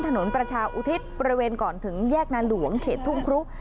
ถนนประชาอุทิศบริเวณก่อนถึงแยกนาหลวงเขตทุ่งครุ